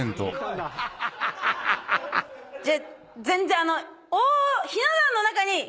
全然あの。